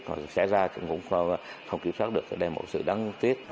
còn xảy ra cũng không kiểm soát được đây là một sự đáng tiếc